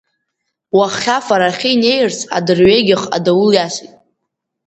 Уаххьафарахьы инеирц адырҩагьых адаул иасит.